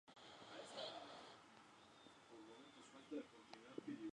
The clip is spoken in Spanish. El idioma mayo es mutuamente inteligible con el yaqui.